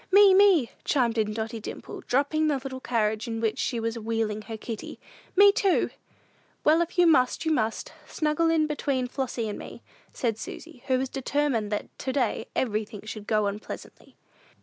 "Me, me," chimed in Dotty Dimple, dropping the little carriage in which she was wheeling her kitty; "me, too!" "Well, if you must, you must; snuggle in here between Flossy and me," said Susy, who was determined that to day everything should go on pleasantly.